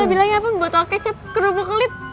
lo bilangnya apa botol kecap kerubuk lip